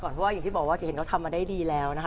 เพราะว่าอย่างที่บอกว่าเห็นเขาทำมาได้ดีแล้วนะคะ